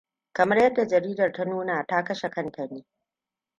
Kamar yadda jaridar ta nuna, ta kashe kanta ne.